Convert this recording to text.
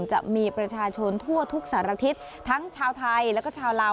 จะมีประชาชนทั่วทุกสารทิศทั้งชาวไทยแล้วก็ชาวลาว